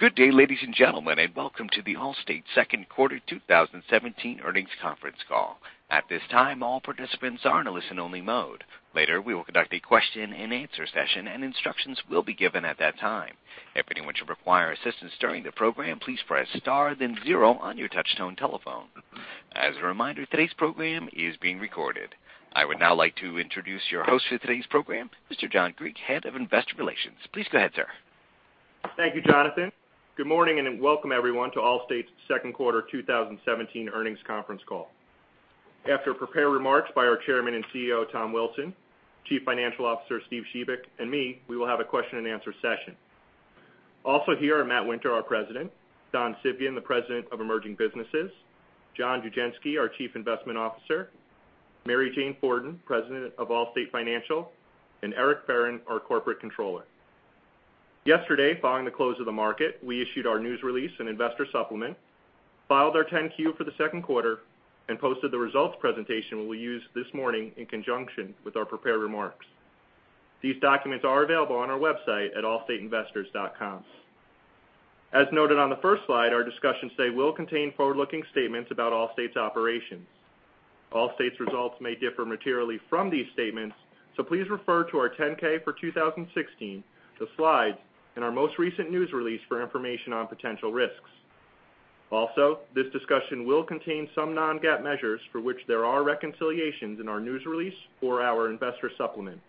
Good day, ladies and gentlemen, welcome to the Allstate second quarter 2017 earnings conference call. At this time, all participants are in a listen-only mode. Later, we will conduct a question-and-answer session, and instructions will be given at that time. If anyone should require assistance during the program, please press star then zero on your touchtone telephone. As a reminder, today's program is being recorded. I would now like to introduce your host for today's program, Mr. John Griek, Head of Investor Relations. Please go ahead, sir. Thank you, Jonathan. Good morning, welcome everyone to Allstate's second quarter 2017 earnings conference call. After prepared remarks by our Chairman and CEO, Tom Wilson, Chief Financial Officer, Steve Shebik, and me, we will have a question-and-answer session. Also here are Matt Winter, our president, Don Civgin, the President of Emerging Businesses, John Dugenske, our Chief Investment Officer, Mary Jane Fortin, President of Allstate Financial, Eric Ferren, our Corporate Controller. Yesterday, following the close of the market, we issued our news release investor supplement, filed our 10-Q for the second quarter, posted the results presentation we will use this morning in conjunction with our prepared remarks. These documents are available on our website at allstateinvestors.com. As noted on the first slide, our discussion today will contain forward-looking statements about Allstate's operations. Allstate's results may differ materially from these statements, please refer to our 10-K for 2016, the slides, and our most recent news release for information on potential risks. Also, this discussion will contain some non-GAAP measures for which there are reconciliations in our news release or our investor supplement.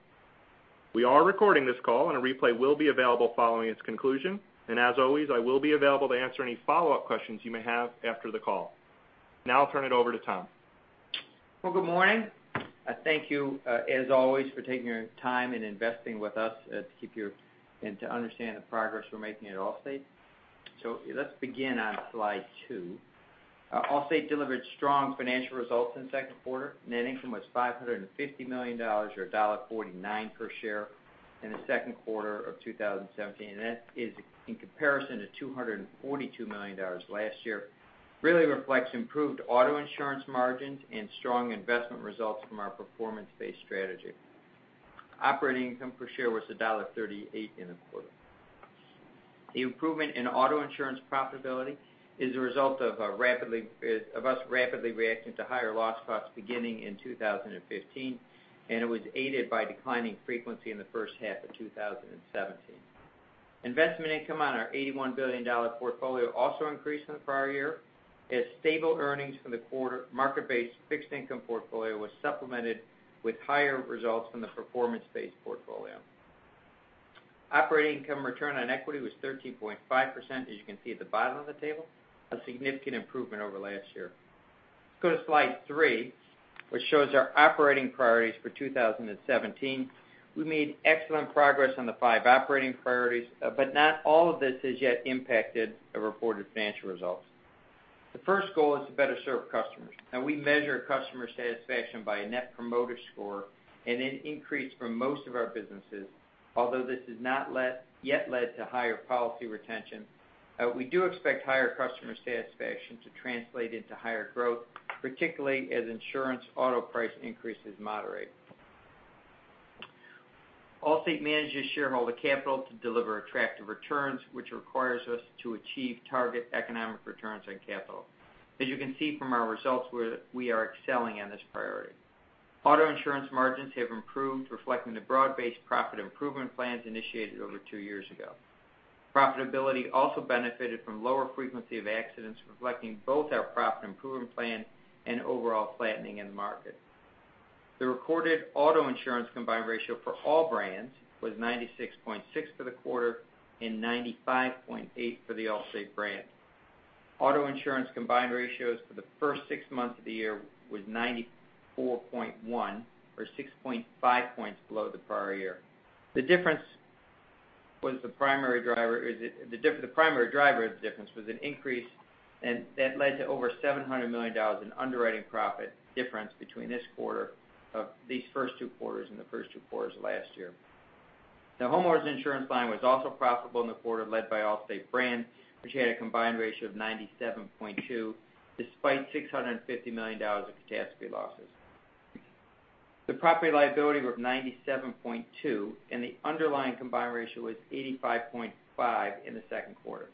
We are recording this call, a replay will be available following its conclusion. As always, I will be available to answer any follow-up questions you may have after the call. Now I'll turn it over to Tom. Well, good morning. Thank you, as always, for taking your time and investing with us to keep you, to understand the progress we're making at Allstate. Let's begin on slide two. Allstate delivered strong financial results in the second quarter. Net income was $550 million, or $1.49 per share in the second quarter of 2017. That is in comparison to $242 million last year. It really reflects improved auto insurance margins and strong investment results from our performance-based strategy. Operating income per share was $1.38 in the quarter. The improvement in auto insurance profitability is a result of us rapidly reacting to higher loss costs beginning in 2015, it was aided by declining frequency in the first half of 2017. Investment income on our $81 billion portfolio also increased from the prior year as stable earnings from the quarter, market-based fixed income portfolio was supplemented with higher results from the performance-based portfolio. Operating income return on equity was 13.5%, as you can see at the bottom of the table, a significant improvement over last year. Go to slide three, which shows our operating priorities for 2017. We made excellent progress on the five operating priorities, not all of this has yet impacted the reported financial results. The first goal is to better serve customers, we measure customer satisfaction by a Net Promoter Score, it increased for most of our businesses. Although this has not yet led to higher policy retention, we do expect higher customer satisfaction to translate into higher growth, particularly as insurance auto price increases moderate. Allstate manages shareholder capital to deliver attractive returns, which requires us to achieve target economic returns on capital. As you can see from our results, we are excelling in this priority. Auto insurance margins have improved, reflecting the broad-based profit improvement plans initiated over two years ago. Profitability also benefited from lower frequency of accidents, reflecting both our profit improvement plan and overall flattening in the market. The recorded auto insurance combined ratio for all brands was 96.6 for the quarter and 95.8 for the Allstate brand. Auto insurance combined ratios for the first six months of the year was 94.1 or 6.5 points below the prior year. That led to over $700 million in underwriting profit difference between these first two quarters and the first two quarters of last year. The homeowners' insurance line was also profitable in the quarter, led by Allstate brands, which had a combined ratio of 97.2, despite $650 million of catastrophe losses. The property liability was 97.2, the underlying combined ratio was 85.5 in the second quarter.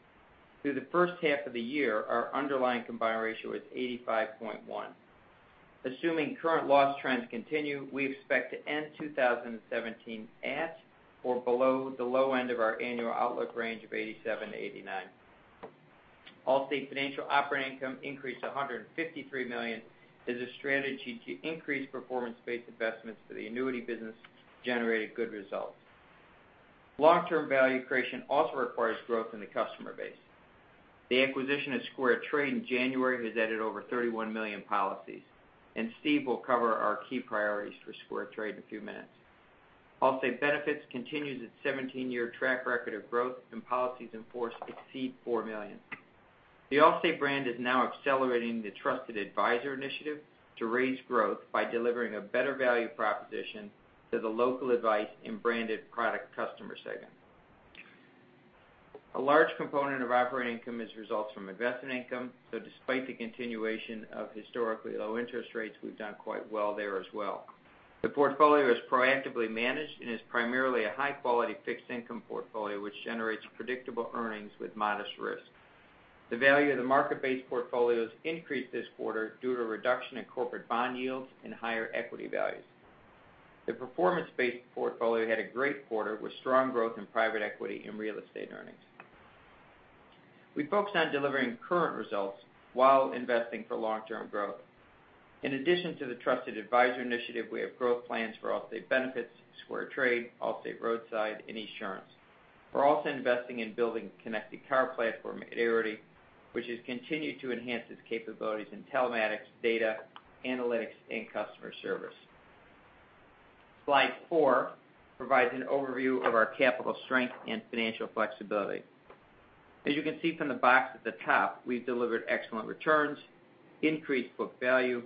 Through the first half of the year, our underlying combined ratio was 85.1. Assuming current loss trends continue, we expect to end 2017 at or below the low end of our annual outlook range of 87-89. Allstate Financial operating income increased to $153 million as a strategy to increase performance-based investments for the annuity business generated good results. Long-term value creation also requires growth in the customer base. The acquisition of SquareTrade in January has added over 31 million policies, Steve will cover our key priorities for SquareTrade in a few minutes. Allstate Benefits continues its 17-year track record of growth, policies in force exceed four million. The Allstate brand is now accelerating the Trusted Advisor initiative to raise growth by delivering a better value proposition to the local advice and branded product customer segment. A large component of operating income is results from investment income, despite the continuation of historically low interest rates, we've done quite well there as well. The portfolio is proactively managed and is primarily a high-quality fixed-income portfolio, which generates predictable earnings with modest risk. The value of the market-based portfolios increased this quarter due to a reduction in corporate bond yields and higher equity values. The performance-based portfolio had a great quarter with strong growth in private equity and real estate earnings. We focused on delivering current results while investing for long-term growth. In addition to the Trusted Advisor initiative, we have growth plans for Allstate Benefits, SquareTrade, Allstate Roadside, and Esurance. We are also investing in building connected car platform, Arity, which has continued to enhance its capabilities in telematics, data analytics, and customer service. Slide four provides an overview of our capital strength and financial flexibility. As you can see from the box at the top, we have delivered excellent returns, increased book value,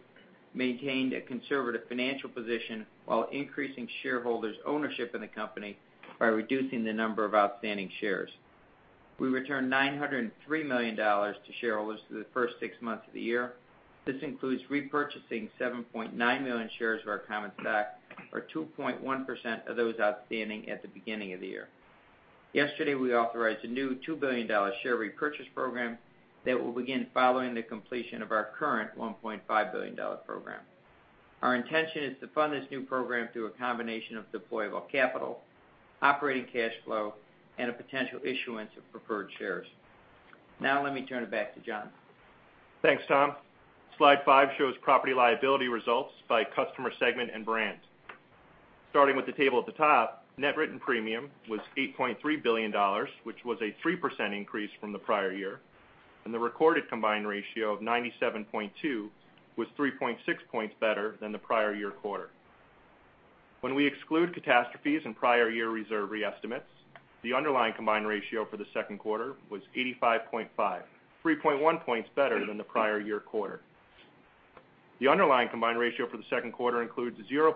maintained a conservative financial position, while increasing shareholders' ownership in the company by reducing the number of outstanding shares. We returned $903 million to shareholders through the first six months of the year. This includes repurchasing 7.9 million shares of our common stock, or 2.1% of those outstanding at the beginning of the year. Yesterday, we authorized a new $2 billion share repurchase program that will begin following the completion of our current $1.5 billion program. Our intention is to fund this new program through a combination of deployable capital, operating cash flow, and a potential issuance of preferred shares. Let me turn it back to John. Thanks, Tom. Slide five shows property liability results by customer segment and brand. Starting with the table at the top, net written premium was $8.3 billion, which was a 3% increase from the prior year, and the recorded combined ratio of 97.2% was 3.6 points better than the prior year quarter. When we exclude catastrophes and prior year reserve re-estimates, the underlying combined ratio for the second quarter was 85.5%, 3.1 points better than the prior year quarter. The underlying combined ratio for the second quarter includes 0.6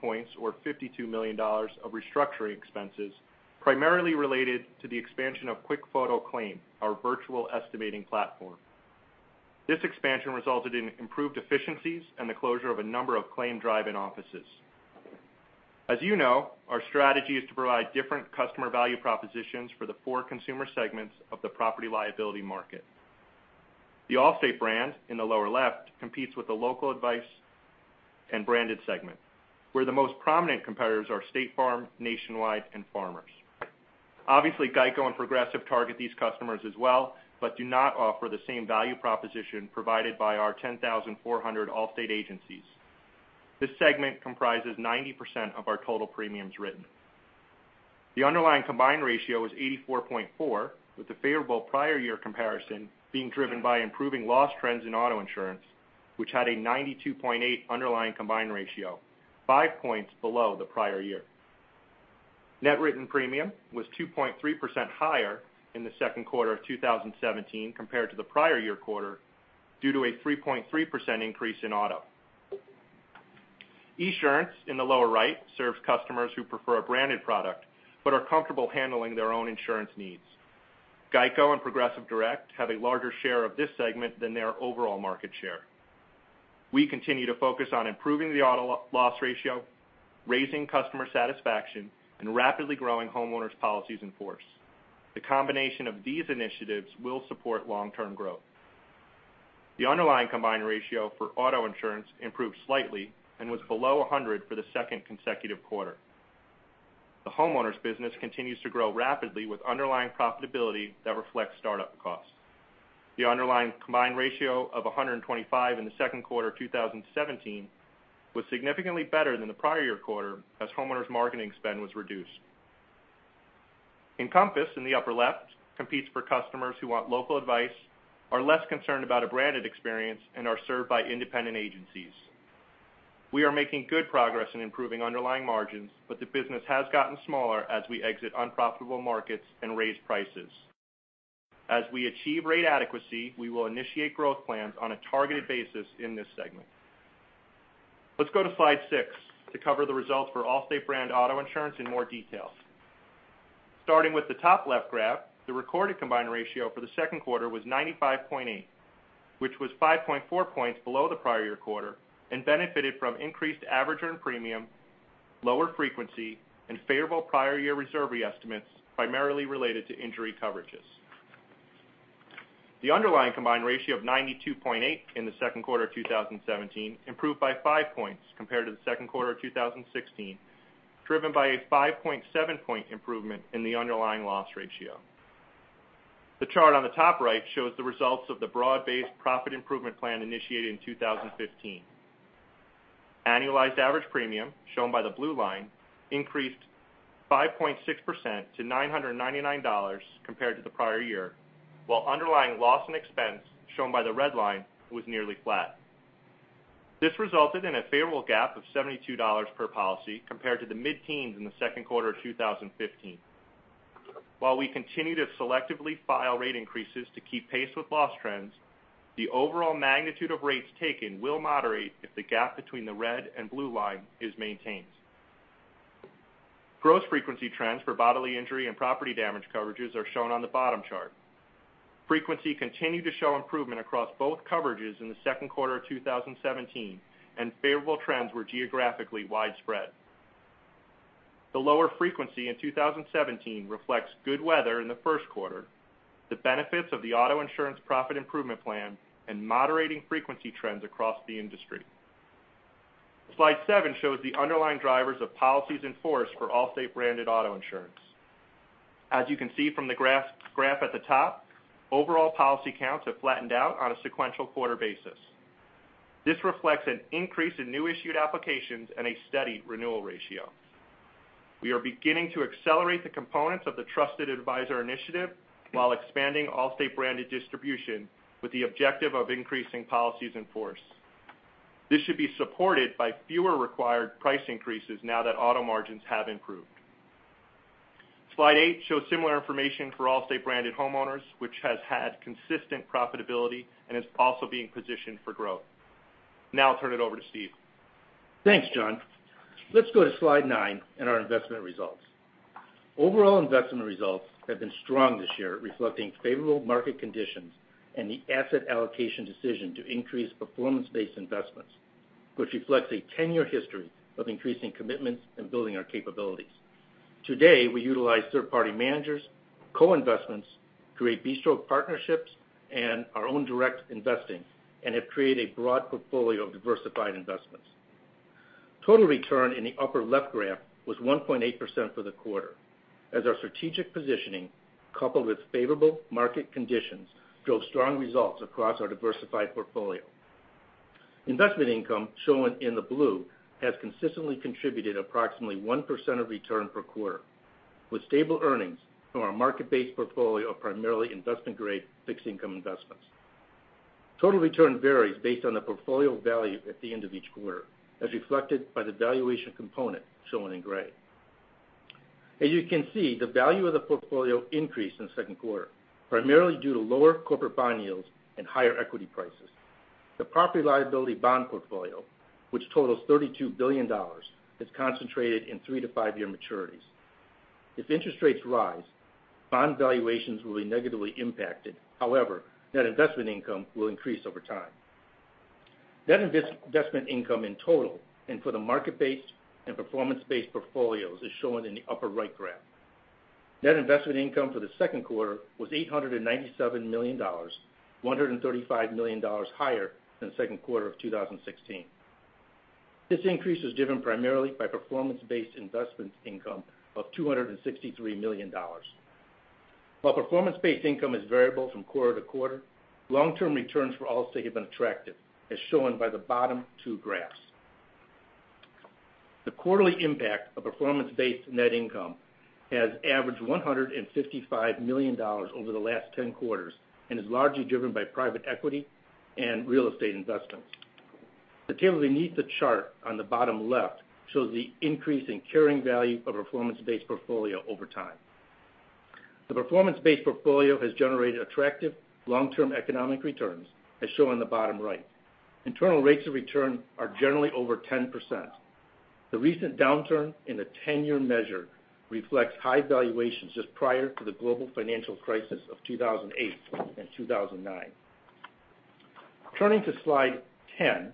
points or $52 million of restructuring expenses, primarily related to the expansion of QuickFoto Claim, our virtual estimating platform. This expansion resulted in improved efficiencies and the closure of a number of claim drive-in offices. As you know, our strategy is to provide different customer value propositions for the four consumer segments of the property liability market. The Allstate brand, in the lower left, competes with the local advice and branded segment, where the most prominent competitors are State Farm, Nationwide, and Farmers. Obviously, GEICO and Progressive target these customers as well, but do not offer the same value proposition provided by our 10,400 Allstate agencies. This segment comprises 90% of our total premiums written. The underlying combined ratio is 84.4%, with the favorable prior year comparison being driven by improving loss trends in auto insurance, which had a 92.8% underlying combined ratio, five points below the prior year. Net written premium was 2.3% higher in the second quarter of 2017 compared to the prior year quarter due to a 3.3% increase in auto. Esurance, in the lower right, serves customers who prefer a branded product but are comfortable handling their own insurance needs. GEICO and Progressive Direct have a larger share of this segment than their overall market share. We continue to focus on improving the auto loss ratio, raising customer satisfaction, and rapidly growing homeowners policies in force. The combination of these initiatives will support long-term growth. The underlying combined ratio for auto insurance improved slightly and was below 100 for the second consecutive quarter. The homeowners business continues to grow rapidly with underlying profitability that reflects startup costs. The underlying combined ratio of 125 in the second quarter of 2017 was significantly better than the prior year quarter as homeowners' marketing spend was reduced. Encompass, in the upper left, competes for customers who want local advice, are less concerned about a branded experience, and are served by independent agencies. We are making good progress in improving underlying margins, the business has gotten smaller as we exit unprofitable markets and raise prices. As we achieve rate adequacy, we will initiate growth plans on a targeted basis in this segment. Let's go to slide six to cover the results for Allstate brand auto insurance in more details. Starting with the top left graph, the recorded combined ratio for the second quarter was 95.8, which was 5.4 points below the prior year quarter and benefited from increased average earned premium, lower frequency, and favorable prior year reserve re-estimates, primarily related to injury coverages. The underlying combined ratio of 92.8 in the second quarter of 2017 improved by five points compared to the second quarter of 2016, driven by a 5.7 point improvement in the underlying loss ratio. The chart on the top right shows the results of the broad-based profit improvement plan initiated in 2015. Annualized average premium, shown by the blue line, increased 5.6% to $999 compared to the prior year, while underlying loss and expense, shown by the red line, was nearly flat. This resulted in a favorable gap of $72 per policy compared to the mid-teens in the second quarter of 2015. We continue to selectively file rate increases to keep pace with loss trends, the overall magnitude of rates taken will moderate if the gap between the red and blue line is maintained. Gross frequency trends for bodily injury and property damage coverages are shown on the bottom chart. Frequency continued to show improvement across both coverages in the second quarter of 2017, and favorable trends were geographically widespread. The lower frequency in 2017 reflects good weather in the first quarter, the benefits of the auto insurance profit improvement plan, and moderating frequency trends across the industry. Slide seven shows the underlying drivers of policies in force for Allstate branded auto insurance. As you can see from the graph at the top, overall policy counts have flattened out on a sequential quarter basis. This reflects an increase in new issued applications and a steady renewal ratio. We are beginning to accelerate the components of the Trusted Advisor initiative while expanding Allstate branded distribution, with the objective of increasing policies in force. This should be supported by fewer required price increases now that auto margins have improved. Slide eight shows similar information for Allstate branded homeowners, which has had consistent profitability and is also being positioned for growth. Now I'll turn it over to Steve. Thanks, John. Let's go to slide nine in our investment results. Overall investment results have been strong this year, reflecting favorable market conditions and the asset allocation decision to increase performance-based investments, which reflects a 10-year history of increasing commitments and building our capabilities. Today, we utilize third-party managers, co-investments, create beachhead partnerships, and our own direct investing, and have created a broad portfolio of diversified investments. Total return in the upper left graph was 1.8% for the quarter, as our strategic positioning, coupled with favorable market conditions, drove strong results across our diversified portfolio. Investment income, shown in the blue, has consistently contributed approximately 1% of return per quarter, with stable earnings from our market-based portfolio of primarily investment-grade fixed income investments. Total return varies based on the portfolio value at the end of each quarter, as reflected by the valuation component shown in gray. As you can see, the value of the portfolio increased in the second quarter, primarily due to lower corporate bond yields and higher equity prices. The property liability bond portfolio, which totals $32 billion, is concentrated in three- to five-year maturities. If interest rates rise, bond valuations will be negatively impacted. Net investment income will increase over time. Net investment income in total, and for the market-based and performance-based portfolios, is shown in the upper right graph. Net investment income for the second quarter was $897 million, $135 million higher than the second quarter of 2016. This increase was driven primarily by performance-based investment income of $263 million. While performance-based income is variable from quarter to quarter, long-term returns for Allstate have been attractive, as shown by the bottom two graphs. The quarterly impact of performance-based net income has averaged $155 million over the last 10 quarters and is largely driven by private equity and real estate investments. The table beneath the chart on the bottom left shows the increase in carrying value of performance-based portfolio over time. The performance-based portfolio has generated attractive long-term economic returns, as shown on the bottom right. Internal rates of return are generally over 10%. The recent downturn in the 10-year measure reflects high valuations just prior to the global financial crisis of 2008 and 2009. Turning to slide 10,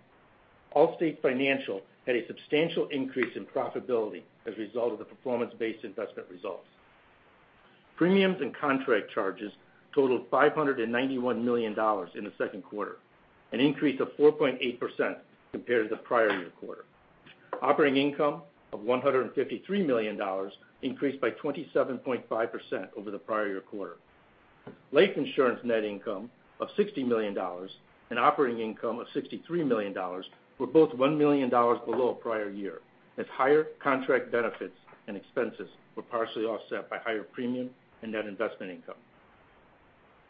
Allstate Financial had a substantial increase in profitability as a result of the performance-based investment results. Premiums and contract charges totaled $591 million in the second quarter, an increase of 4.8% compared to the prior year quarter. Operating income of $153 million increased by 27.5% over the prior year quarter. Life insurance net income of $60 million and operating income of $63 million were both $1 million below prior year, as higher contract benefits and expenses were partially offset by higher premium and net investment income.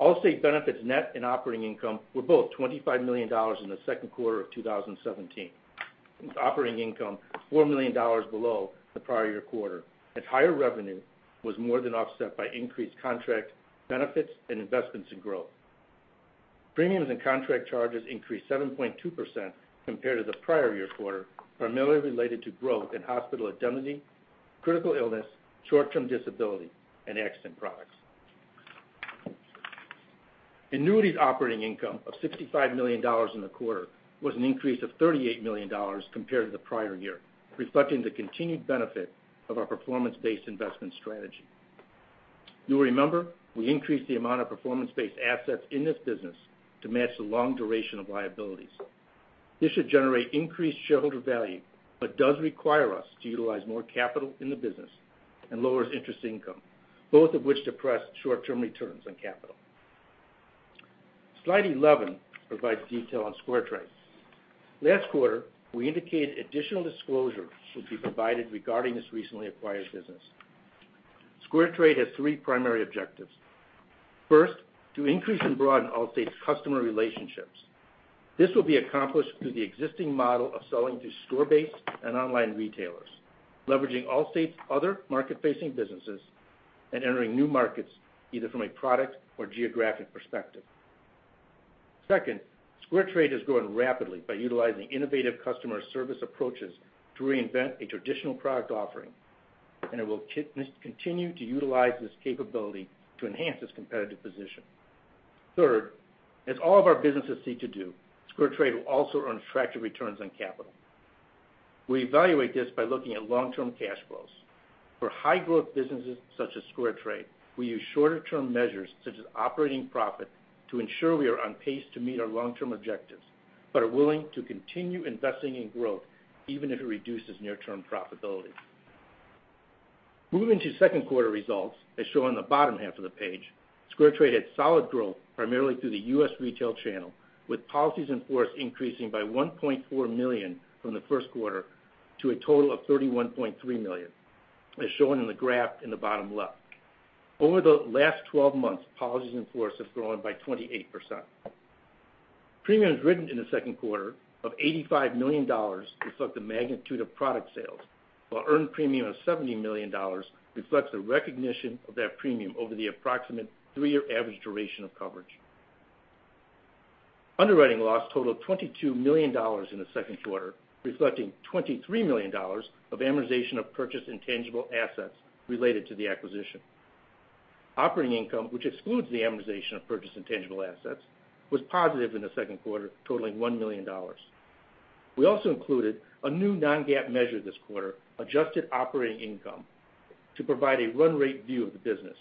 Allstate Benefits net and operating income were both $25 million in the second quarter of 2017, with operating income $4 million below the prior year quarter, as higher revenue was more than offset by increased contract benefits and investments in growth. Premiums and contract charges increased 7.2% compared to the prior year quarter, primarily related to growth in Hospital Indemnity, Critical Illness, Short-Term Disability, and accident products. Annuities operating income of $65 million in the quarter was an increase of $38 million compared to the prior year, reflecting the continued benefit of our performance-based investment strategy. You'll remember, we increased the amount of performance-based assets in this business to match the long duration of liabilities. This should generate increased shareholder value, but does require us to utilize more capital in the business and lowers interest income, both of which depress short-term returns on capital. Slide 11 provides detail on SquareTrade. Last quarter, we indicated additional disclosure should be provided regarding this recently acquired business. SquareTrade has three primary objectives. First, to increase and broaden Allstate's customer relationships. This will be accomplished through the existing model of selling through store-based and online retailers, leveraging Allstate's other market-facing businesses, and entering new markets, either from a product or geographic perspective. Second, SquareTrade is growing rapidly by utilizing innovative customer service approaches to reinvent a traditional product offering, and it will continue to utilize this capability to enhance its competitive position. Third, as all of our businesses seek to do, SquareTrade will also earn attractive returns on capital. We evaluate this by looking at long-term cash flows. For high-growth businesses such as SquareTrade, we use shorter-term measures, such as operating profit, to ensure we are on pace to meet our long-term objectives, but are willing to continue investing in growth even if it reduces near-term profitability. Moving to second quarter results, as shown on the bottom half of the page, SquareTrade had solid growth primarily through the U.S. retail channel, with policies in force increasing by 1.4 million from the first quarter to a total of 31.3 million, as shown in the graph in the bottom left. Over the last 12 months, policies in force have grown by 28%. Premiums written in the second quarter of $85 million reflect the magnitude of product sales, while earned premium of $70 million reflects the recognition of that premium over the approximate three-year average duration of coverage. Underwriting loss totaled $22 million in the second quarter, reflecting $23 million of amortization of purchased intangible assets related to the acquisition. Operating income, which excludes the amortization of purchased intangible assets, was positive in the second quarter, totaling $1 million. We also included a new non-GAAP measure this quarter, adjusted operating income, to provide a run rate view of the business.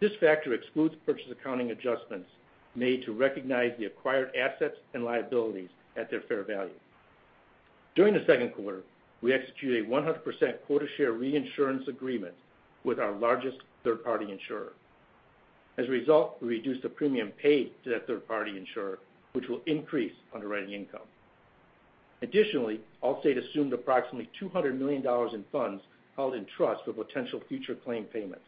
This factor excludes purchase accounting adjustments made to recognize the acquired assets and liabilities at their fair value. During the second quarter, we executed a 100% quota share reinsurance agreement with our largest third-party insurer. As a result, we reduced the premium paid to that third-party insurer, which will increase underwriting income. Additionally, Allstate assumed approximately $200 million in funds held in trust for potential future claim payments.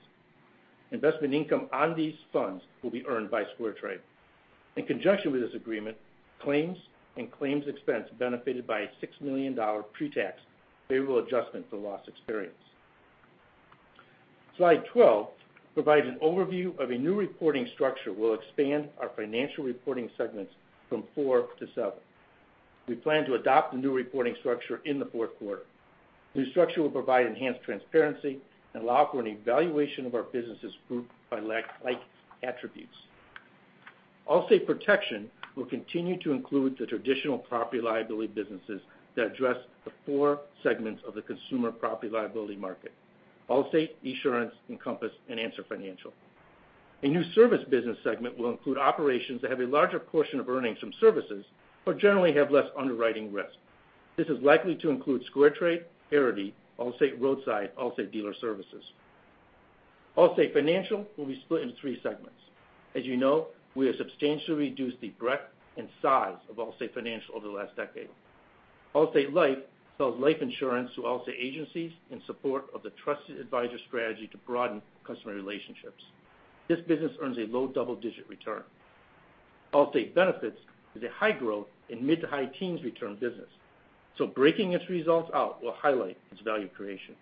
Investment income on these funds will be earned by SquareTrade. In conjunction with this agreement, claims and claims expense benefited by a $6 million pre-tax favorable adjustment for loss experience. Slide 12 provides an overview of a new reporting structure. We'll expand our financial reporting segments from four to seven. We plan to adopt the new reporting structure in the fourth quarter. The new structure will provide enhanced transparency and allow for an evaluation of our businesses grouped by like attributes. Allstate Protection will continue to include the traditional property liability businesses that address the four segments of the consumer property liability market, Allstate, Esurance, Encompass, and Answer Financial. A new service business segment will include operations that have a larger portion of earnings from services, but generally have less underwriting risk. This is likely to include SquareTrade, Arity, Allstate Roadside, Allstate Dealer Services. Allstate Financial will be split into 3 segments. As you know, we have substantially reduced the breadth and size of Allstate Financial over the last decade. Allstate Life sells life insurance to Allstate agencies in support of the Trusted Advisor strategy to broaden customer relationships. This business earns a low double-digit return. Allstate Benefits is a high growth and mid to high teens return business, so breaking its results out will highlight its value creation.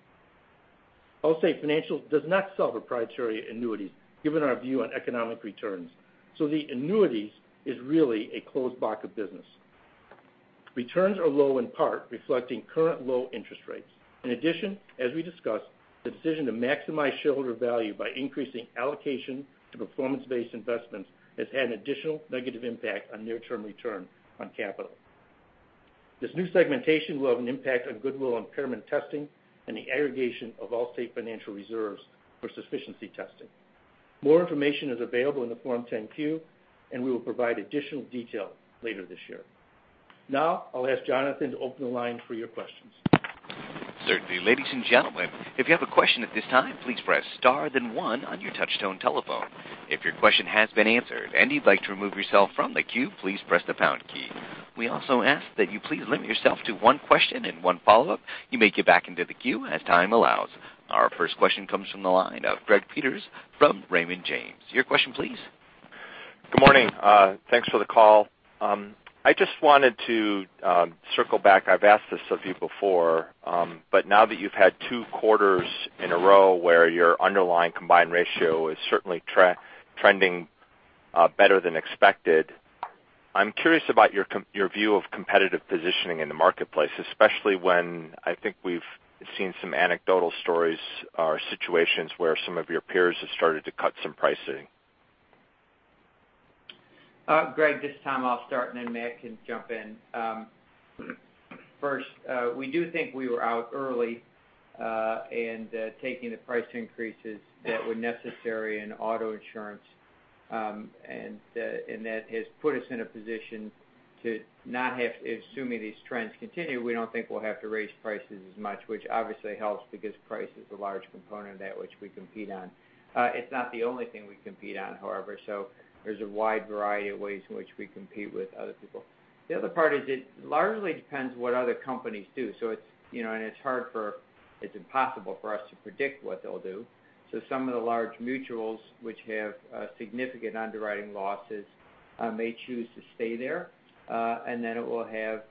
Allstate Financial does not sell proprietary annuities given our view on economic returns, so the annuities is really a closed block of business. Returns are low in part, reflecting current low interest rates. In addition, as we discussed, the decision to maximize shareholder value by increasing allocation to performance-based investments has had an additional negative impact on near-term return on capital. This new segmentation will have an impact on goodwill impairment testing and the aggregation of Allstate financial reserves for sufficiency testing. More information is available in the Form 10-Q, and we will provide additional detail later this year. I'll ask Jonathan to open the line for your questions. Certainly. Ladies and gentlemen, if you have a question at this time, please press star then one on your touchtone telephone. If your question has been answered and you'd like to remove yourself from the queue, please press the pound key. We also ask that you please limit yourself to one question and one follow-up. You may get back into the queue as time allows. Our first question comes from the line of Greg Peters from Raymond James. Your question please. Good morning. Thanks for the call. I just wanted to circle back. I've asked this of you before, but now that you've had 2 quarters in a row where your underlying combined ratio is certainly trending better than expected, I'm curious about your view of competitive positioning in the marketplace, especially when I think we've seen some anecdotal stories or situations where some of your peers have started to cut some pricing. Greg, this time I'll start, and then Matt can jump in. First, we do think we were out early, and taking the price increases that were necessary in auto insurance, and that has put us in a position to not have to, assuming these trends continue, we don't think we'll have to raise prices as much, which obviously helps because price is a large component of that which we compete on. It's not the only thing we compete on, however, there's a wide variety of ways in which we compete with other people. The other part is it largely depends what other companies do. It's impossible for us to predict what they'll do. Some of the large mutuals which have significant underwriting losses may choose to stay there, and then there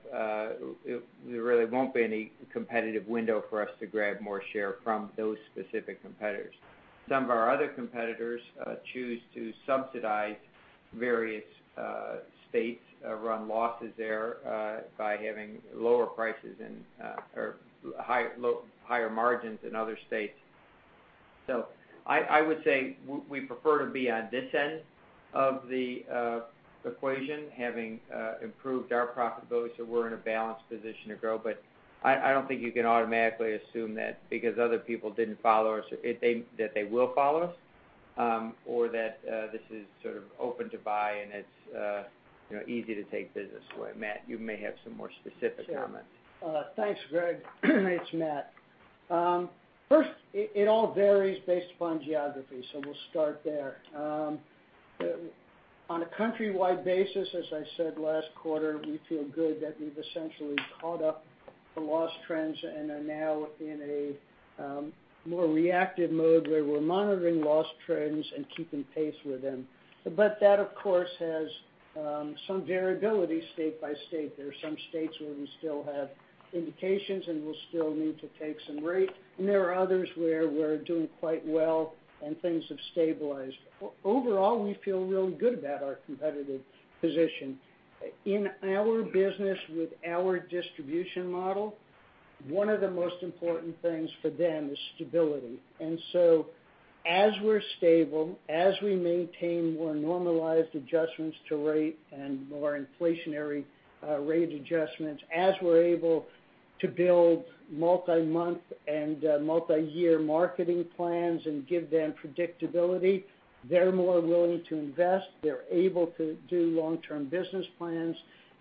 really won't be any competitive window for us to grab more share from those specific competitors. Some of our other competitors choose to subsidize various states, run losses there by having lower prices or higher margins in other states I would say we prefer to be on this end of the equation, having improved our profitability so we're in a balanced position to grow. I don't think you can automatically assume that because other people didn't follow us, that they will follow us, or that this is sort of open to buy and it's easy to take business away. Matt, you may have some more specific comments. Sure. Thanks, Greg. It's Matt. First, it all varies based upon geography, we'll start there. On a countrywide basis, as I said last quarter, we feel good that we've essentially caught up the loss trends and are now in a more reactive mode where we're monitoring loss trends and keeping pace with them. That, of course, has some variability state by state. There are some states where we still have indications, and we'll still need to take some rate. There are others where we're doing quite well, and things have stabilized. Overall, we feel real good about our competitive position. In our business with our distribution model, one of the most important things for them is stability. As we're stable, as we maintain more normalized adjustments to rate and more inflationary rate adjustments, as we're able to build multi-month and multi-year marketing plans and give them predictability, they're more willing to invest. They're able to do long-term business plans.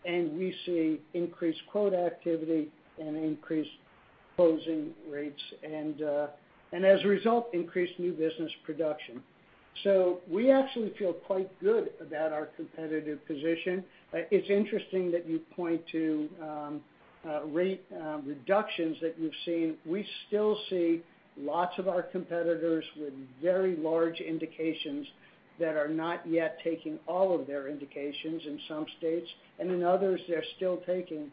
We see increased quote activity and increased closing rates. As a result, increased new business production. We actually feel quite good about our competitive position. It's interesting that you point to rate reductions that you've seen. We still see lots of our competitors with very large indications that are not yet taking all of their indications in some states. In others, they're still taking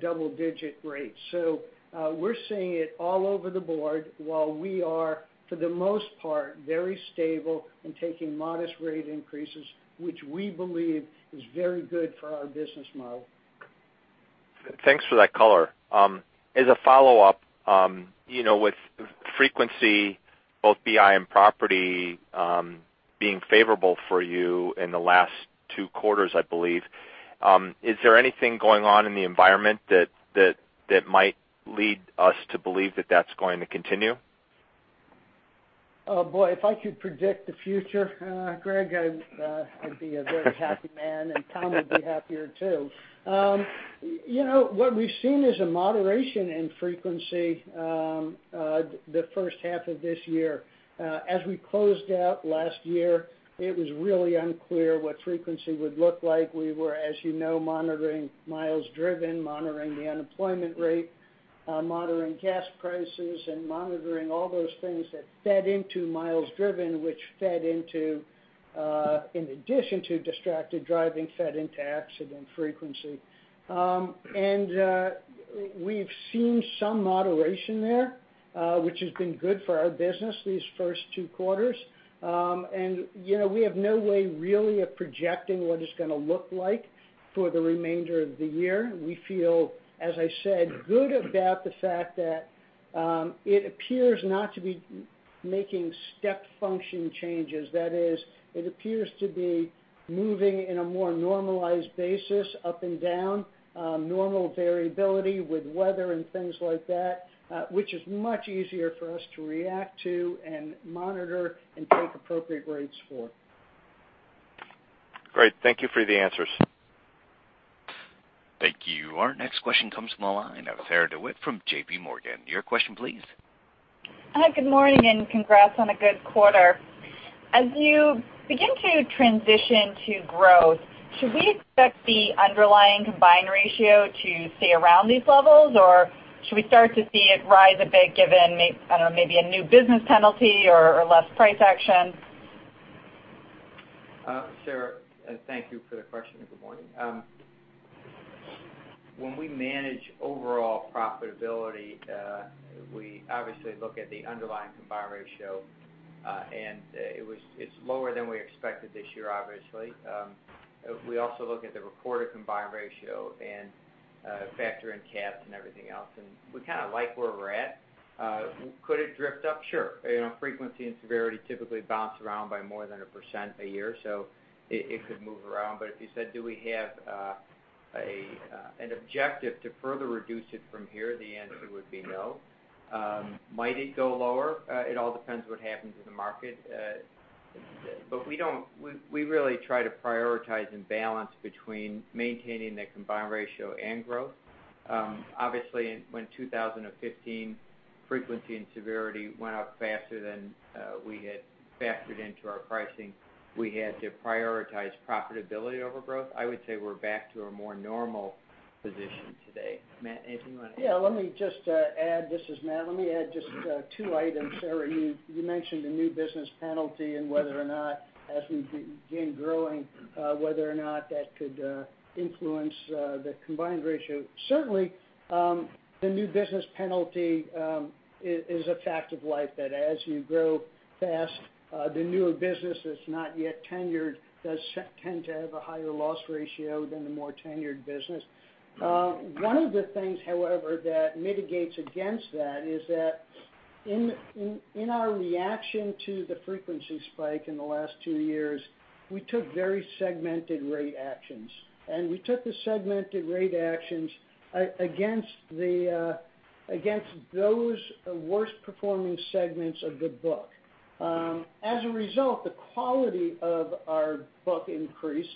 double-digit rates. We're seeing it all over the board while we are, for the most part, very stable and taking modest rate increases, which we believe is very good for our business model. Thanks for that color. As a follow-up, with frequency, both BI and property being favorable for you in the last two quarters, I believe, is there anything going on in the environment that might lead us to believe that that's going to continue? Oh, boy, if I could predict the future, Greg, I'd be a very happy man, and Tom would be happier too. What we've seen is a moderation in frequency the first half of this year. As we closed out last year, it was really unclear what frequency would look like. We were, as you know, monitoring miles driven, monitoring the unemployment rate, monitoring gas prices, and monitoring all those things that fed into miles driven, which fed into, in addition to distracted driving, fed into accident frequency. We've seen some moderation there, which has been good for our business these first two quarters. We have no way really of projecting what it's going to look like for the remainder of the year. We feel, as I said, good about the fact that it appears not to be making step function changes. That is, it appears to be moving in a more normalized basis up and down, normal variability with weather and things like that, which is much easier for us to react to and monitor and take appropriate rates for. Great. Thank you for the answers. Thank you. Our next question comes from the line of Sarah DeWitt from J.P. Morgan. Your question, please. Hi, good morning and congrats on a good quarter. As you begin to transition to growth, should we expect the underlying combined ratio to stay around these levels, or should we start to see it rise a bit given, I don't know, maybe a new business penalty or less price action? Sarah, thank you for the question and good morning. When we manage overall profitability, we obviously look at the underlying combined ratio, it's lower than we expected this year, obviously. We also look at the reported combined ratio and factor in caps and everything else, we kind of like where we're at. Could it drift up? Sure. Frequency and severity typically bounce around by more than 1% a year, so it could move around. If you said, do we have an objective to further reduce it from here, the answer would be no. Might it go lower? It all depends what happens in the market. We really try to prioritize and balance between maintaining the combined ratio and growth. Obviously, when 2015 frequency and severity went up faster than we had factored into our pricing, we had to prioritize profitability over growth. I would say we're back to a more normal position today. Matt, anything you want to add? Yeah, let me just add, this is Matt. Let me add just two items. Sarah, you mentioned a new business penalty and whether or not as we begin growing, whether or not that could influence the combined ratio. Certainly, the new business penalty is a fact of life that as you grow fast, the newer business that's not yet tenured does tend to have a higher loss ratio than the more tenured business. One of the things, however, that mitigates against that is that in our reaction to the frequency spike in the last two years, we took very segmented rate actions, and we took the segmented rate actions against those worst performing segments of the book. As a result, the quality of our book increased.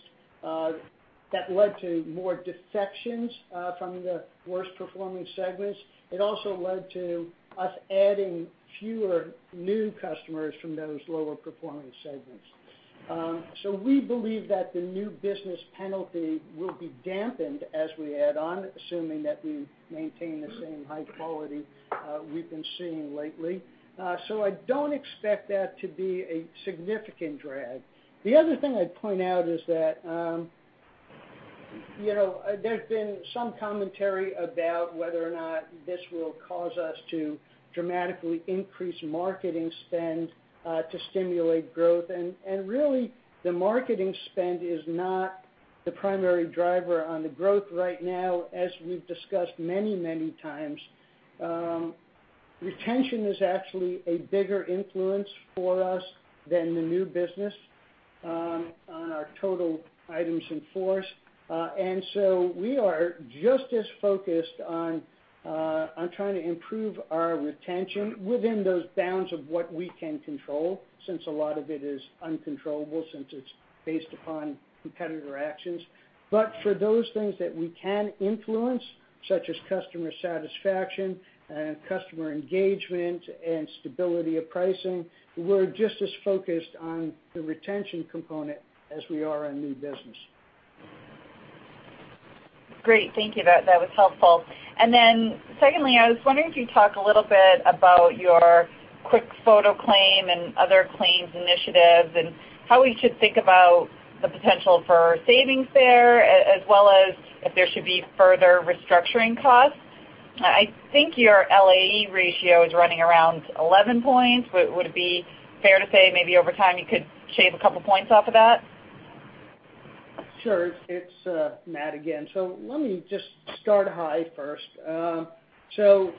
That led to more defections from the worst performing segments. It also led to us adding fewer new customers from those lower performing segments. We believe that the new business penalty will be dampened as we add on, assuming that we maintain the same high quality we've been seeing lately. I don't expect that to be a significant drag. The other thing I'd point out is that there's been some commentary about whether or not this will cause us to dramatically increase marketing spend to stimulate growth, really, the marketing spend is not the primary driver on the growth right now, as we've discussed many times. Retention is actually a bigger influence for us than the new business on our total items in force. We are just as focused on trying to improve our retention within those bounds of what we can control, since a lot of it is uncontrollable, since it's based upon competitor actions. For those things that we can influence, such as customer satisfaction and customer engagement and stability of pricing, we're just as focused on the retention component as we are on new business. Great. Thank you. That was helpful. Secondly, I was wondering if you'd talk a little bit about your QuickFoto Claim and other claims initiatives and how we should think about the potential for savings there, as well as if there should be further restructuring costs. I think your LAE ratio is running around 11 points, but would it be fair to say maybe over time you could shave a couple points off of that? Sure. It's Matt again. Let me just start high first.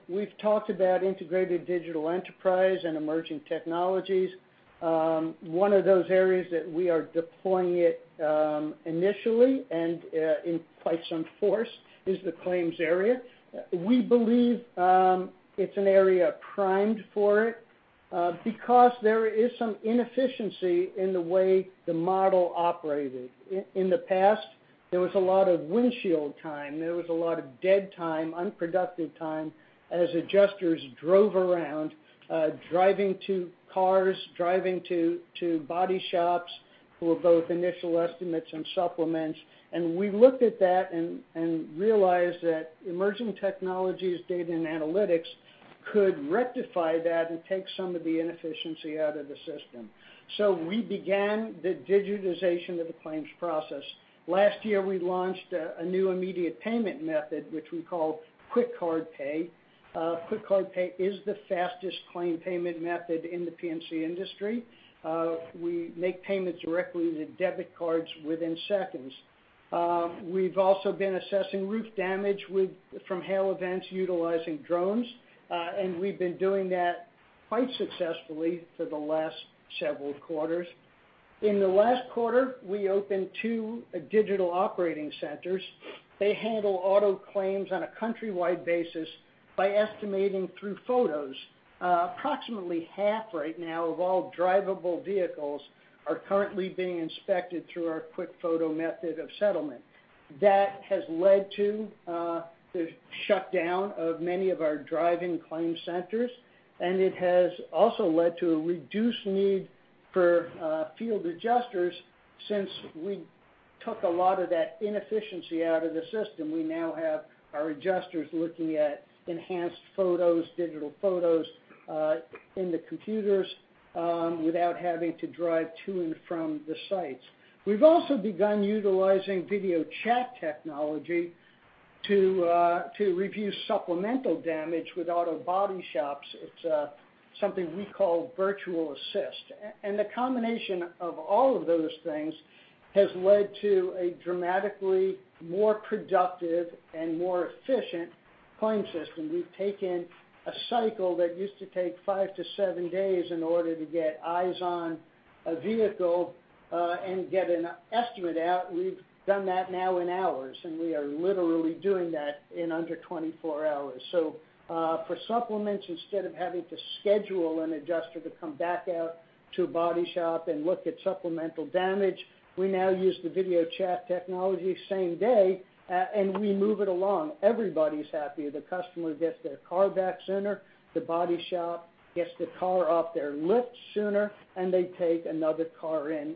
We've talked about Integrated Digital Enterprise and emerging technologies. One of those areas that we are deploying it initially and in quite some force is the claims area. We believe it's an area primed for it because there is some inefficiency in the way the model operated. In the past, there was a lot of windshield time. There was a lot of dead time, unproductive time as adjusters drove around, driving to cars, driving to body shops for both initial estimates and supplements. We looked at that and realized that emerging technologies, data and analytics could rectify that and take some of the inefficiency out of the system. We began the digitization of the claims process. Last year, we launched a new immediate payment method, which we call QuickCard Pay. QuickCard Pay is the fastest claim payment method in the P&C industry. We make payments directly to debit cards within seconds. We've also been assessing roof damage from hail events utilizing drones. We've been doing that quite successfully for the last several quarters. In the last quarter, we opened two digital operating centers. They handle auto claims on a countrywide basis by estimating through photos. Approximately half right now of all drivable vehicles are currently being inspected through our QuickFoto method of settlement. That has led to the shutdown of many of our driving claim centers. It has also led to a reduced need for field adjusters since we took a lot of that inefficiency out of the system. We now have our adjusters looking at enhanced photos, digital photos in the computers without having to drive to and from the sites. We've also begun utilizing video chat technology to review supplemental damage with auto body shops. It's something we call Virtual Assist. The combination of all of those things has led to a dramatically more productive and more efficient claim system. We've taken a cycle that used to take five to seven days in order to get eyes on a vehicle and get an estimate out. We've done that now in hours. We are literally doing that in under 24 hours. For supplements, instead of having to schedule an adjuster to come back out to a body shop and look at supplemental damage, we now use the video chat technology same day. We move it along. Everybody's happier. The customer gets their car back sooner, the body shop gets the car off their lift sooner, and they take another car in.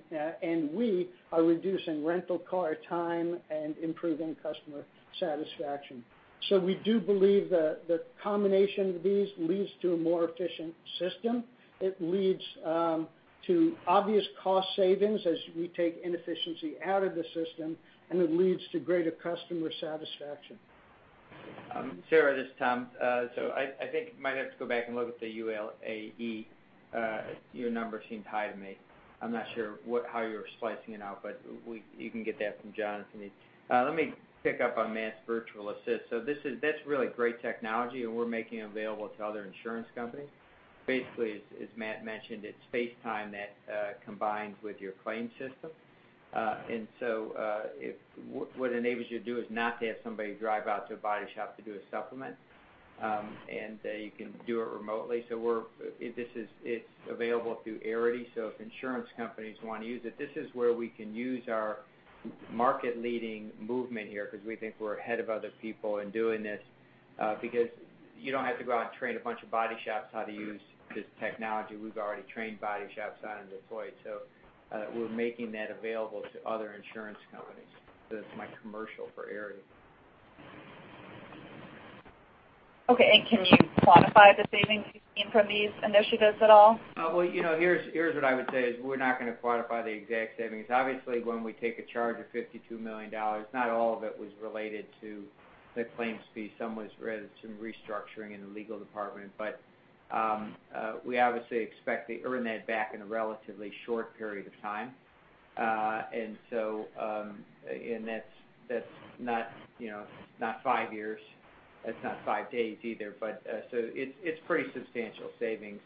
We are reducing rental car time and improving customer satisfaction. We do believe the combination of these leads to a more efficient system. It leads to obvious cost savings as we take inefficiency out of the system, and it leads to greater customer satisfaction. Sarah, this is Tom. I think might have to go back and look at the LAE. Your number seemed high to me. I'm not sure how you were slicing it out, but you can get that from Jonathan. Let me pick up on Matt's Virtual Assist. That's really great technology, and we're making it available to other insurance companies. Basically, as Matt mentioned, it's FaceTime that combines with your claim system. What enables you to do is not to have somebody drive out to a body shop to do a supplement, and you can do it remotely. It's available through Arity, so if insurance companies want to use it, this is where we can use our market-leading movement here, because we think we're ahead of other people in doing this, because you don't have to go out and train a bunch of body shops how to use this technology. We've already trained body shops how to deploy it. We're making that available to other insurance companies. That's my commercial for Arity. Okay. Can you quantify the savings you've seen from these initiatives at all? Here's what I would say, we're not going to quantify the exact savings. Obviously, when we take a charge of $52 million, not all of it was related to the claim speed. Some was related to some restructuring in the legal department. We obviously expect to earn that back in a relatively short period of time. That's not five years. That's not five days either, but it's pretty substantial savings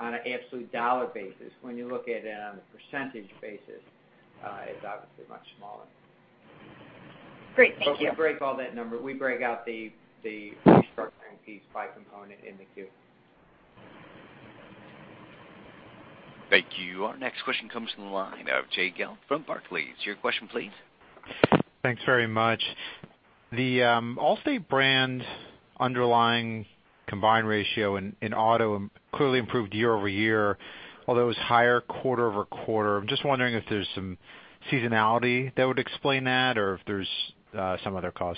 on an absolute dollar basis. When you look at it on a percentage basis, it's obviously much smaller. Great. Thank you. We break all that number. We break out the restructuring piece by component in the Q. Thank you. Our next question comes from the line of Jay Gelb from Barclays. Your question please. Thanks very much. The Allstate brand underlying combined ratio in auto clearly improved year-over-year, although it was higher quarter-over-quarter. I'm just wondering if there's some seasonality that would explain that or if there's some other cause.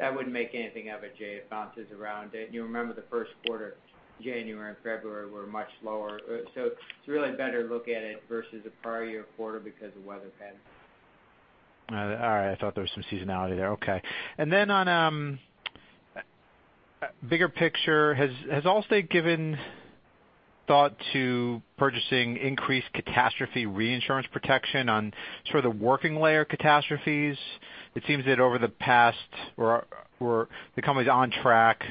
I wouldn't make anything of it, Jay. It bounces around. You remember the first quarter, January and February were much lower. It's really better look at it versus the prior year quarter because of weather patterns. All right. I thought there was some seasonality there. Okay. On bigger picture, has Allstate given thought to purchasing increased catastrophe reinsurance protection on sort of working layer catastrophes? It seems that over the past, or the company's on track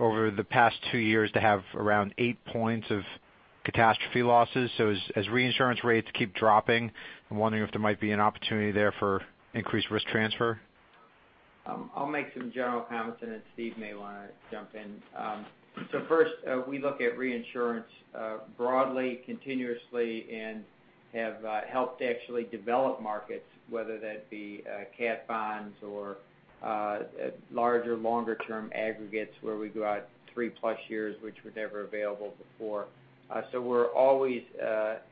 over the past two years to have around eight points of catastrophe losses. As reinsurance rates keep dropping, I'm wondering if there might be an opportunity there for increased risk transfer. I'll make some general comments, then Steve may want to jump in. First, we look at reinsurance broadly, continuously, and have helped actually develop markets, whether that be cat bonds or larger, longer term aggregates where we go out 3+ years, which were never available before. We're always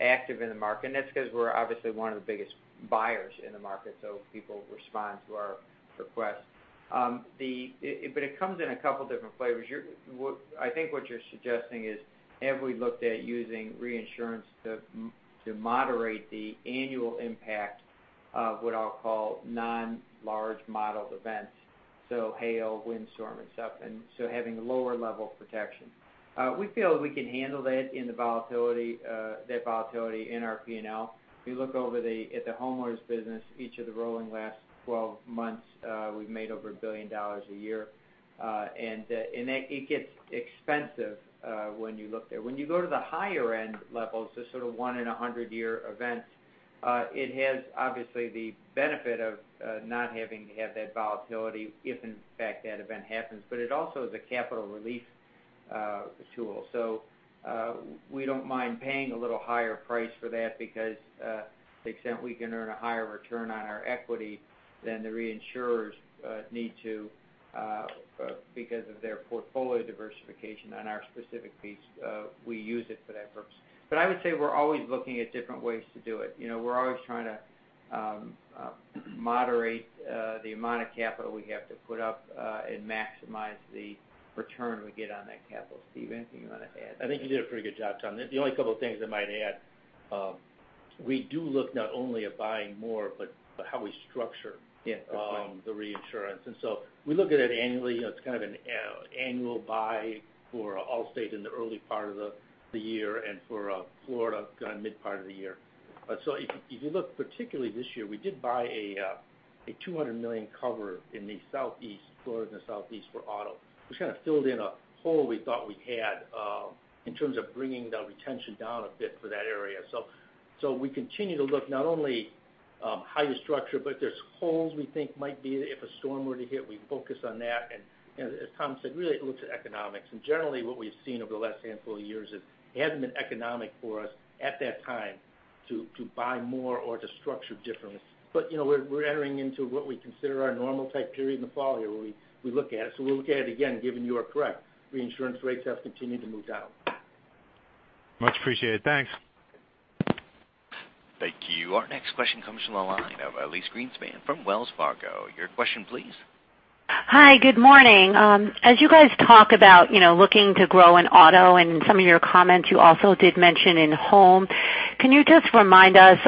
active in the market, and that's because we're obviously one of the biggest buyers in the market, so people respond to our requests. It comes in a couple different flavors. I think what you're suggesting is, have we looked at using reinsurance to moderate the annual impact of what I'll call non-large modeled events, so hail, windstorm, and stuff, having lower level of protection. We feel we can handle that volatility in our P&L. If you look at the homeowners business, each of the rolling last 12 months, we've made over $1 billion a year. It gets expensive when you look there. You go to the higher-end levels, the sort of one in 100-year events, it has obviously the benefit of not having to have that volatility if in fact that event happens. It also is a capital relief tool. We don't mind paying a little higher price for that because to the extent we can earn a higher return on our equity than the reinsurers need to because of their portfolio diversification on our specific piece, we use it for that purpose. I would say we're always looking at different ways to do it. We're always trying to moderate the amount of capital we have to put up and maximize the return we get on that capital. Steve, anything you want to add? I think you did a pretty good job, Tom. The only couple of things I might add, we do look not only at buying more, but how we structure- Yes the reinsurance. We look at it annually. It's kind of an annual buy for Allstate in the early part of the year and for Florida kind of mid part of the year. If you look particularly this year, we did buy a $200 million cover in the Southeast, Florida and the Southeast for auto, which kind of filled in a hole we thought we had in terms of bringing the retention down a bit for that area. We continue to look not only how you structure, but there's holes we think might be if a storm were to hit, we'd focus on that. As Tom said, really it looks at economics. Generally what we've seen over the last handful of years is it hasn't been economic for us at that time to buy more or to structure differently. We're entering into what we consider our normal type period in the fall here where we look at it. We'll look at it again, given you are correct, reinsurance rates have continued to move down. Much appreciated. Thanks. Thank you. Our next question comes from the line of Elyse Greenspan from Wells Fargo. Your question, please. Hi. Good morning. As you guys talk about looking to grow in auto and some of your comments you also did mention in home, can you just remind us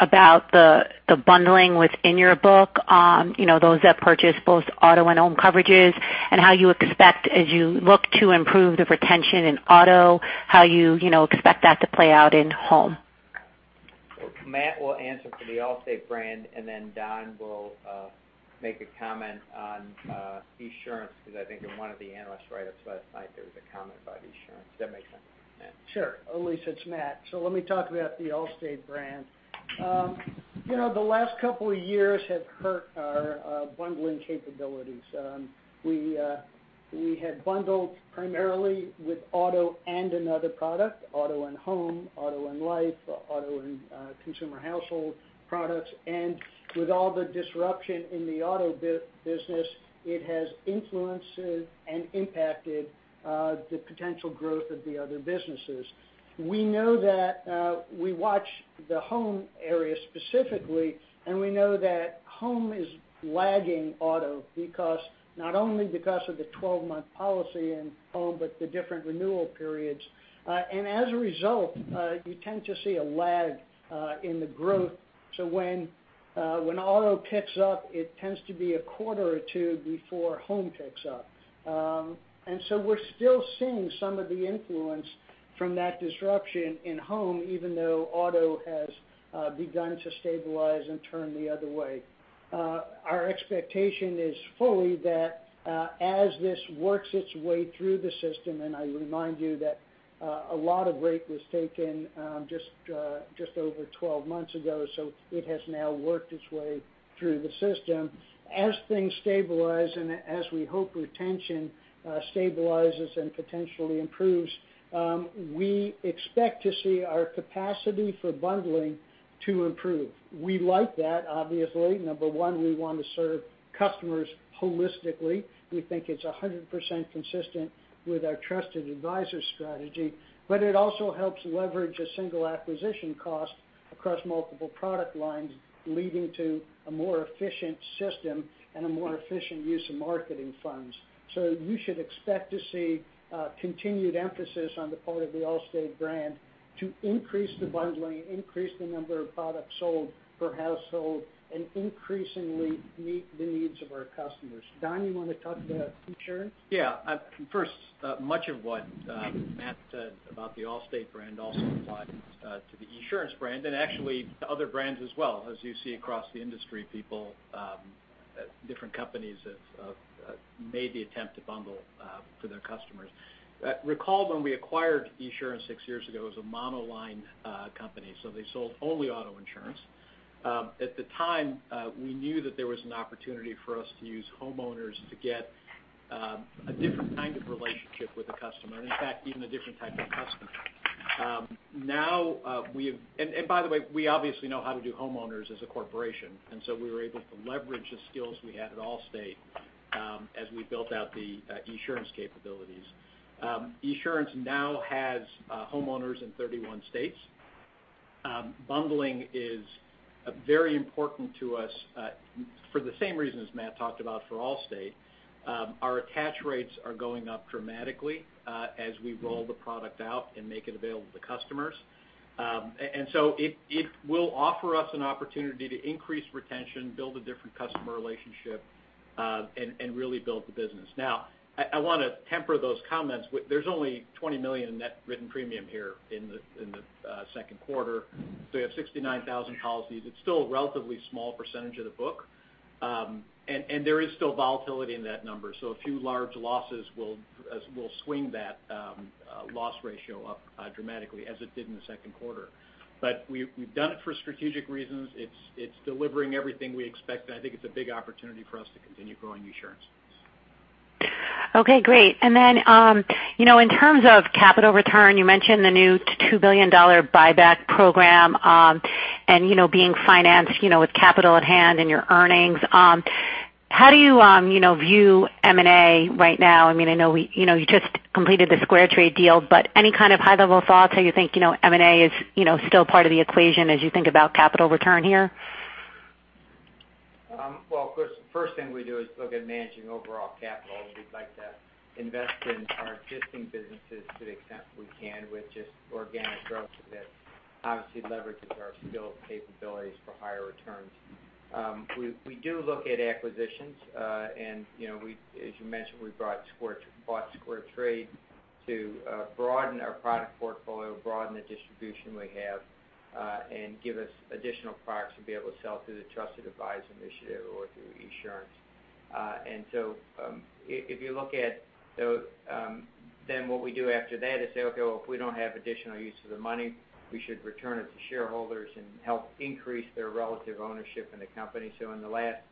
about the bundling within your book, those that purchase both auto and home coverages, and how you expect as you look to improve the retention in auto, how you expect that to play out in home? Matt will answer for the Allstate brand. Don will make a comment on Esurance, because I think in one of the analyst write-ups last night, there was a comment about Esurance. Does that make sense, Matt? Sure. Elyse Greenspan, it's Matt. Let me talk about the Allstate brand. The last couple of years have hurt our bundling capabilities. We had bundled primarily with auto and another product, auto and home, auto and life, auto and consumer household products. With all the disruption in the auto business, it has influenced and impacted the potential growth of the other businesses. We watch the home area specifically, and we know that home is lagging auto, not only because of the 12-month policy in home, but the different renewal periods. As a result, you tend to see a lag in the growth. When auto picks up, it tends to be a quarter or two before home picks up. We're still seeing some of the influence from that disruption in home, even though auto has begun to stabilize and turn the other way. Our expectation is fully that as this works its way through the system. I remind you that a lot of rate was taken just over 12 months ago, so it has now worked its way through the system. As things stabilize and we hope retention stabilizes and potentially improves, we expect to see our capacity for bundling to improve. We like that, obviously. Number one, we want to serve customers holistically. We think it's 100% consistent with our Trusted Advisor strategy, but it also helps leverage a single acquisition cost across multiple product lines, leading to a more efficient system and a more efficient use of marketing funds. You should expect to see a continued emphasis on the part of the Allstate brand to increase the bundling, increase the number of products sold per household, and increasingly meet the needs of our customers. Don, you want to talk about Esurance? Yeah. First, much of what Matt said about the Allstate brand also applies to the Esurance brand and actually to other brands as well as you see across the industry, people at different companies have made the attempt to bundle for their customers. Recall when we acquired Esurance six years ago, it was a monoline company, so they sold only auto insurance. At the time, we knew that there was an opportunity for us to use homeowners to get a different kind of relationship with the customer, and in fact, even a different type of customer. By the way, we obviously know how to do homeowners as a corporation, we were able to leverage the skills we had at Allstate as we built out the Esurance capabilities. Esurance now has homeowners in 31 states. Bundling is very important to us for the same reason as Matt talked about for Allstate. Our attach rates are going up dramatically as we roll the product out and make it available to customers. It will offer us an opportunity to increase retention, build a different customer relationship, and really build the business. Now, I want to temper those comments. There's only $20 million in net written premium here in the Second Quarter. You have 69,000 policies. It's still a relatively small percentage of the book. There is still volatility in that number. A few large losses will swing that loss ratio up dramatically as it did in the Second Quarter. We've done it for strategic reasons. It's delivering everything we expect, and I think it's a big opportunity for us to continue growing Esurance. Okay, great. In terms of capital return, you mentioned the new $2 billion buyback program and being financed with capital at hand and your earnings. How do you view M&A right now? I know you just completed the SquareTrade deal, any kind of high-level thoughts how you think M&A is still part of the equation as you think about capital return here? Well, of course, the first thing we do is look at managing overall capital. We'd like to invest in our existing businesses to the extent we can with just organic growth that obviously leverages our skill capabilities for higher returns. We do look at acquisitions, as you mentioned, we bought SquareTrade to broaden our product portfolio, broaden the distribution we have, and give us additional products to be able to sell through the Trusted Advisor initiative or through Esurance. What we do after that is say, "Okay, well, if we don't have additional use of the money, we should return it to shareholders and help increase their relative ownership in the company." In the last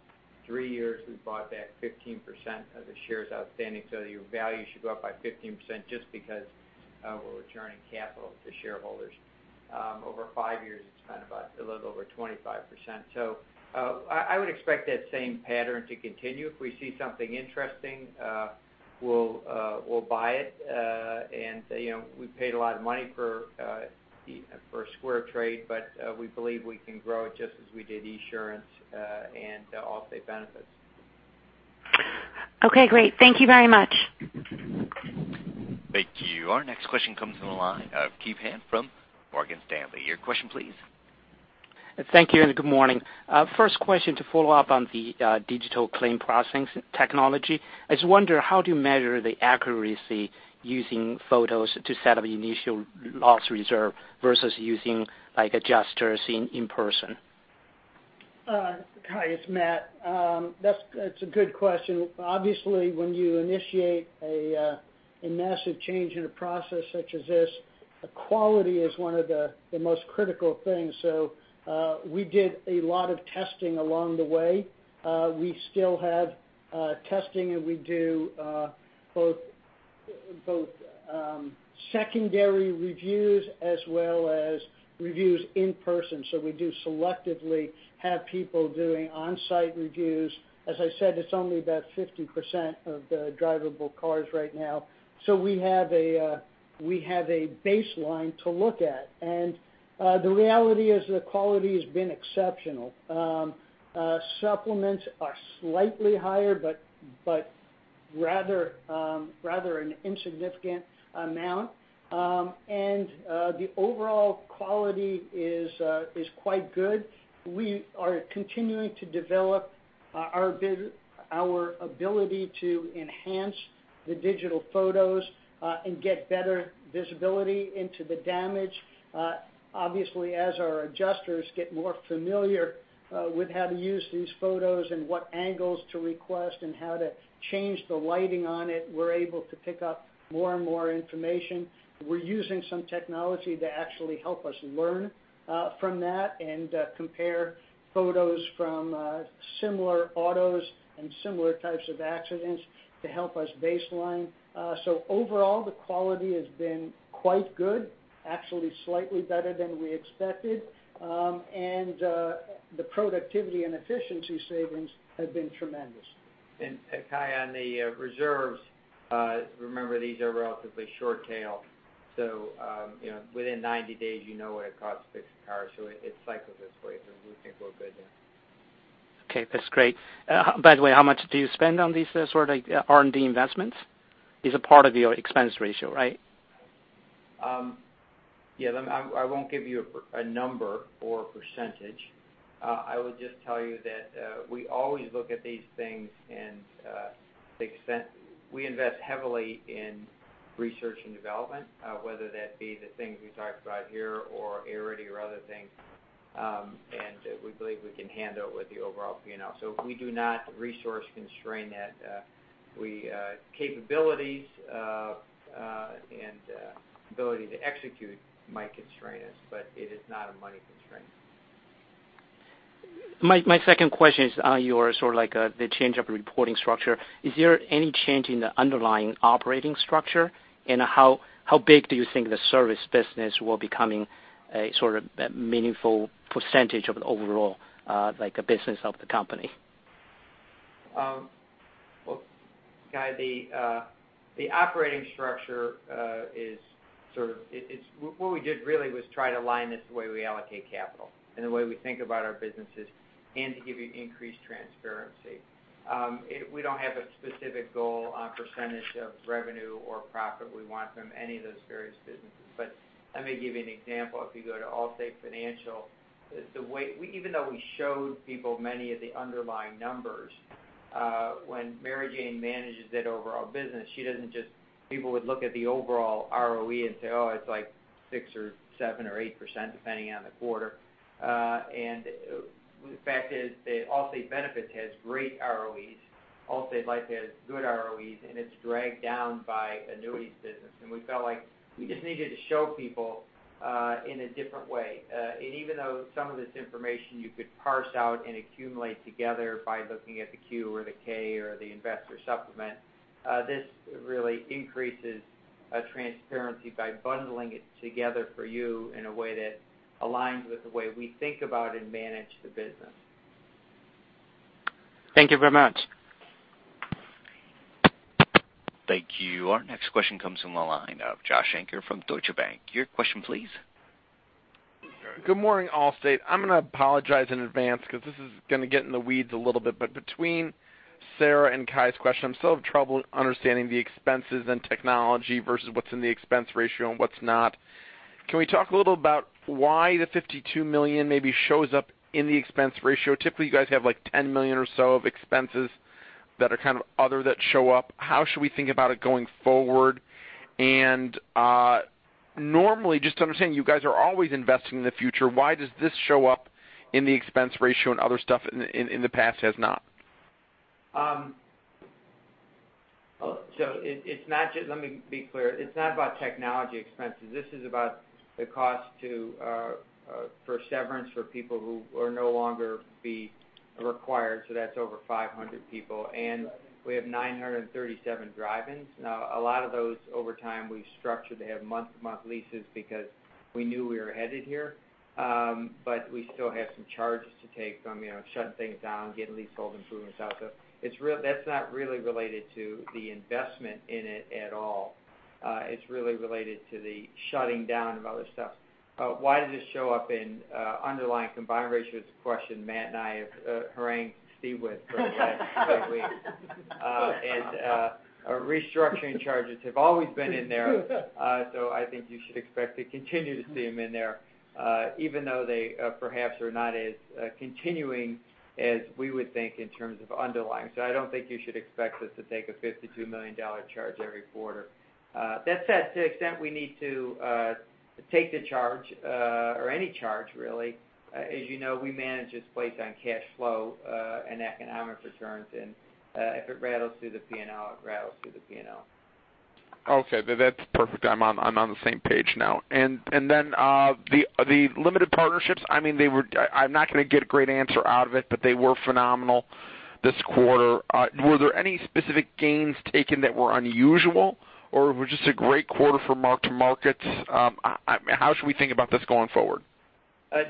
three years, we've bought back 15% of the shares outstanding. Your value should go up by 15% just because we're returning capital to shareholders. Over five years, it's a little over 25%. I would expect that same pattern to continue. If we see something interesting, we'll buy it, and we paid a lot of money for SquareTrade, but we believe we can grow it just as we did Esurance and Allstate Benefits. Okay, great. Thank you very much. Thank you. Our next question comes on the line of Kai Pan from Morgan Stanley. Your question, please. Thank you, and good morning. First question to follow up on the digital claim processing technology. I just wonder, how do you measure the accuracy using photos to set up the initial loss reserve versus using adjusters in person? Hi, it's Matt. That's a good question. Obviously, when you initiate a massive change in a process such as this, quality is one of the most critical things. We did a lot of testing along the way. We still have testing, and we do both secondary reviews as well as reviews in person. We do selectively have people doing on-site reviews. As I said, it's only about 50% of the drivable cars right now. We have a baseline to look at. The reality is the quality has been exceptional. Supplements are slightly higher, but rather an insignificant amount. The overall quality is quite good. We are continuing to develop our ability to enhance the digital photos and get better visibility into the damage. Obviously, as our adjusters get more familiar with how to use these photos and what angles to request and how to change the lighting on it, we're able to pick up more and more information. We're using some technology to actually help us learn from that and compare photos from similar autos and similar types of accidents to help us baseline. Overall, the quality has been quite good, actually slightly better than we expected. The productivity and efficiency savings have been tremendous. Kai, on the reserves, remember, these are relatively short tail, so within 90 days, you know what it costs to fix a car. It cycles its way, so we think we're good there. Okay, that's great. By the way, how much do you spend on these sort of R&D investments? It's a part of your expense ratio, right? Yeah. I won't give you a number or a percentage. I will just tell you that we always look at these things and we invest heavily in research and development, whether that be the things we talked about here or Arity or other things, and we believe we can handle it with the overall P&L. We do not resource constrain that. Capabilities and ability to execute might constrain us, but it is not a money constraint. My second question is on your change of reporting structure. Is there any change in the underlying operating structure, and how big do you think the service business will becoming a sort of meaningful percentage of the overall business of the company? Well, Kai, the operating structure what we did really was try to align this the way we allocate capital and the way we think about our businesses and to give you increased transparency. We don't have a specific goal on percentage of revenue or profit we want from any of those various businesses. Let me give you an example. If you go to Allstate Financial, even though we showed people many of the underlying numbers, when Mary Jane manages that overall business, people would look at the overall ROE and say, "Oh, it's like 6% or 7% or 8%," depending on the quarter. The fact is that Allstate Benefits has great ROEs. Allstate Life has good ROEs, and it's dragged down by annuities business. We felt like we just needed to show people in a different way. Even though some of this information you could parse out and accumulate together by looking at the Q or the K or the investor supplement, this really increases transparency by bundling it together for you in a way that aligns with the way we think about and manage the business. Thank you very much. Thank you. Our next question comes from the line of Joshua Shanker from Deutsche Bank. Your question, please. Good morning, Allstate. I'm going to apologize in advance because this is going to get in the weeds a little bit, but between Sarah and Kai's question, I'm still having trouble understanding the expenses and technology versus what's in the expense ratio and what's not. Can we talk a little about why the $52 million maybe shows up in the expense ratio? Typically, you guys have $10 million or so of expenses that are kind of other that show up. How should we think about it going forward? Normally, just to understand, you guys are always investing in the future. Why does this show up in the expense ratio and other stuff in the past has not? Let me be clear. It's not about technology expenses. This is about the cost for severance for people who are no longer be required. That's over 500 people. We have 937 drive-ins. Now, a lot of those, over time, we've structured to have month-to-month leases because we knew we were headed here. We still have some charges to take from shutting things down, getting leasehold improvements out. That's not really related to the investment in it at all. It's really related to the shutting down of other stuff. Why does this show up in underlying combined ratios question Matt and I have harangued Steve with for the last several weeks. Restructuring charges have always been in there. I think you should expect to continue to see them in there even though they perhaps are not as continuing as we would think in terms of underlying. I don't think you should expect us to take a $52 million charge every quarter. That said, to the extent we need to take the charge or any charge really, as you know, we manage this place on cash flow and economic returns, and if it rattles through the P&L. Okay. That's perfect. I'm on the same page now. The limited partnerships, I'm not going to get a great answer out of it, but they were phenomenal this quarter. Were there any specific gains taken that were unusual, or it was just a great quarter for mark-to-markets? How should we think about this going forward?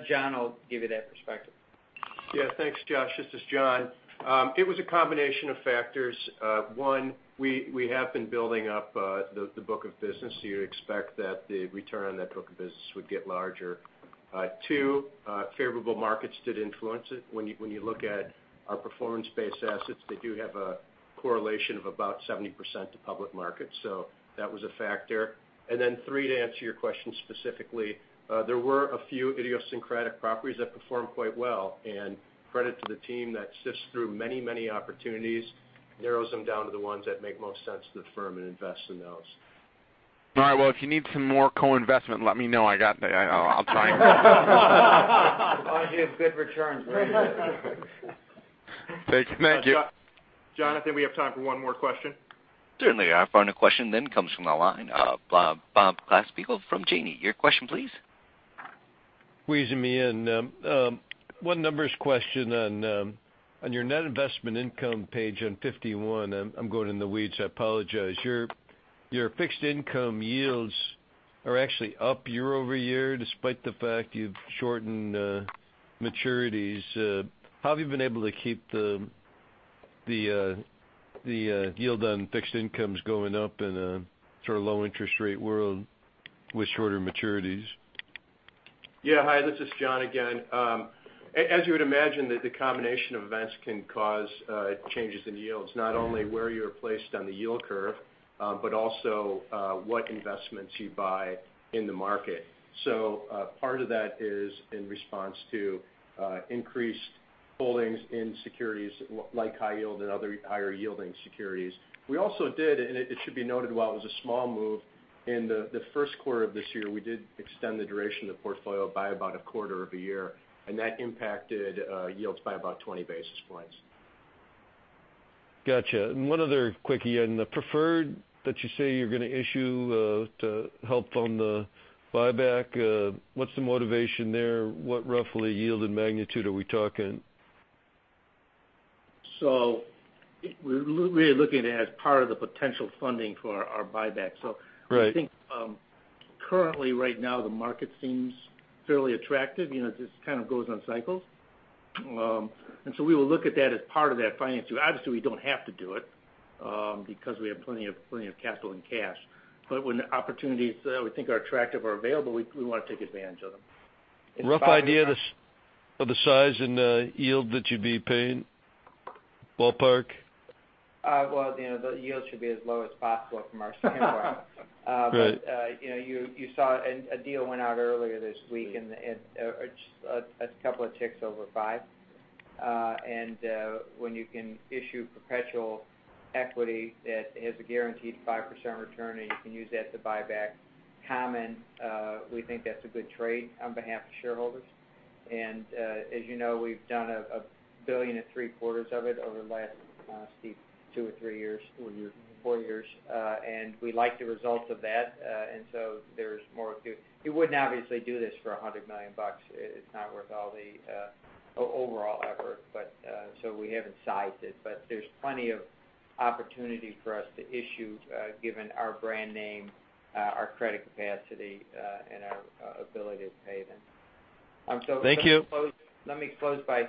John will give you that perspective. Yeah. Thanks, Josh. This is John. It was a combination of factors. One, we have been building up the book of business, so you'd expect that the return on that book of business would get larger. Two, favorable markets did influence it. When you look at our performance-based assets, they do have a correlation of about 70% to public markets, so that was a factor. Three, to answer your question specifically, there were a few idiosyncratic properties that performed quite well, and credit to the team that sifts through many opportunities, narrows them down to the ones that make most sense to the firm and invest in those. All right. Well, if you need some more co-investment, let me know. I'll sign. As long as you have good returns. We're in. Thank you. Jonathan, we have time for one more question. Certainly. Our final question comes from the line of Robert Klasky from Janney. Your question please. Squeezing me in. One numbers question on your net investment income page on 51. I'm going in the weeds, I apologize. Your fixed income yields are actually up year-over-year, despite the fact you've shortened maturities. How have you been able to keep the yield on fixed incomes going up in a sort of low interest rate world with shorter maturities? Yeah. Hi, this is John again. As you would imagine, the combination of events can cause changes in yields. Not only where you're placed on the yield curve, but also what investments you buy in the market. Part of that is in response to increased holdings in securities like high yield and other higher yielding securities. We also did, and it should be noted, while it was a small move, in the first quarter of this year, we did extend the duration of the portfolio by about a quarter of a year, and that impacted yields by about 20 basis points. Got you. One other quickie. The preferred that you say you're going to issue to help on the buyback, what's the motivation there? What roughly yield and magnitude are we talking? We are looking at it as part of the potential funding for our buyback. Right. I think currently right now, the market seems fairly attractive. It just kind of goes on cycles. We will look at that as part of that financing. Obviously, we don't have to do it because we have plenty of capital and cash. When opportunities that we think are attractive are available, we want to take advantage of them. Rough idea of the size and yield that you'd be paying? Ballpark? Well, the yield should be as low as possible from our standpoint. Right. You saw a deal went out earlier this week a couple of ticks over 5%. When you can issue perpetual equity that has a guaranteed 5% return and you can use that to buy back common, we think that's a good trade on behalf of shareholders. As you know, we've done $1.75 billion of it over the last, Steve, two or three years. Four years. Four years. We like the results of that. There's more to. We wouldn't obviously do this for $100 million. It's not worth all the overall effort, so we haven't sized it, but there's plenty of opportunity for us to issue given our brand name, our credit capacity, and our ability to pay them. Thank you. Let me close by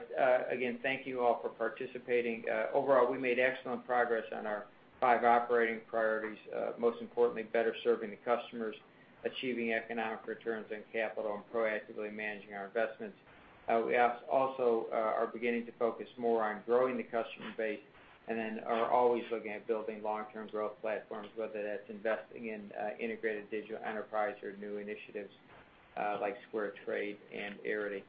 again, thank you all for participating. Overall, we made excellent progress on our five operating priorities. Most importantly, better serving the customers, achieving economic returns on capital, and proactively managing our investments. We also are beginning to focus more on growing the customer base and are always looking at building long-term growth platforms, whether that's investing in Integrated Digital Enterprise or new initiatives like SquareTrade and Arity.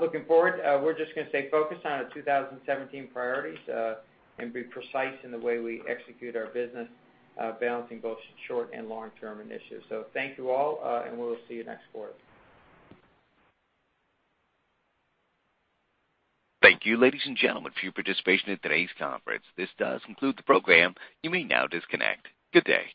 Looking forward, we're just going to stay focused on our 2017 priorities and be precise in the way we execute our business, balancing both short and long-term initiatives. Thank you all, and we will see you next quarter. Thank you, ladies and gentlemen, for your participation in today's conference. This does conclude the program. You may now disconnect. Good day.